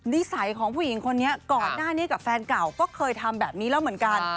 นิสัยของผู้หญิงคนนี้ก่อนหน้านี้กับแฟนเก่าก็เคยทำแบบนี้แล้วเหมือนกัน